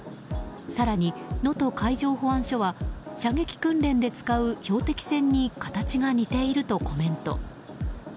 更に能登海上保安署は射撃訓練で使う標的船に形が似ているとコメント。